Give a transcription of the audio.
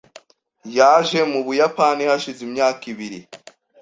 Yaje mu Buyapani hashize imyaka ibiri .